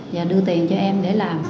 và đưa tiền cho em để làm